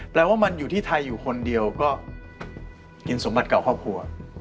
แปลว่ามันอยู่ที่ไทยอยู่คนเดียวก็กินสมบัติเก่าครอบครัว